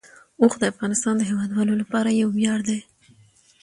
اوښ د افغانستان د هیوادوالو لپاره یو ویاړ دی.